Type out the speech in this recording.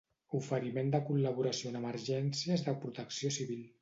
Oferiment de col·laboració en emergències de protecció civil.